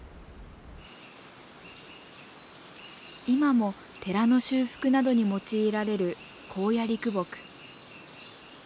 今も寺の修復などに用いられる高野六木。